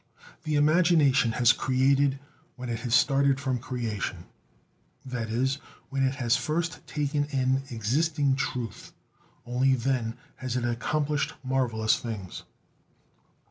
The imagination has created when it has started from creation: that is, when it has first taken in existing truth. Only then has it accomplished marvelous things.